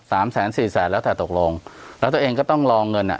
แสนสี่แสนแล้วแต่ตกลงแล้วตัวเองก็ต้องรอเงินอ่ะ